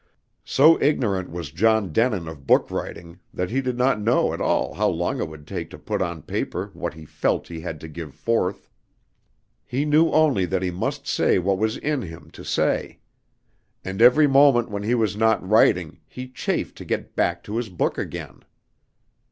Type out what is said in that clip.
So ignorant was John Denin of book writing that he did not know at all how long it would take to put on paper what he felt he had to give forth. He knew only that he must say what was in him to say; and every moment when he was not writing he chafed to get back to his book again.